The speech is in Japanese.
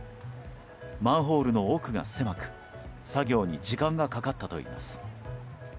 マンホールの奥が狭く作業に時間がかかったといいます。